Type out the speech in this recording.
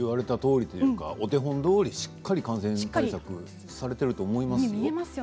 お手本どおりしっかり感染対策をされていると思いますよ。